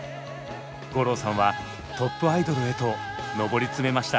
五郎さんはトップアイドルへと上り詰めました。